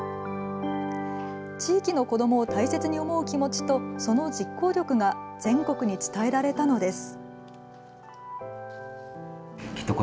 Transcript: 地域の子どもを大切に思う気持ちとその実行力が全国に伝えられたのです。